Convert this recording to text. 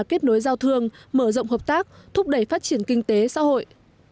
kết nối giao thương mở rộng hợp tác thúc đẩy phát triển kinh tế xã hội